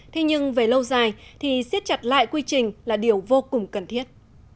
thế nhưng về lâu dài thì xiết chặt lại quy trình là điều vô cùng cần thiết